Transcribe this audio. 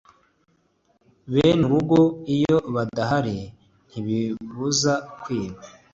bene urugo iyo badahari ntibibuza kwiba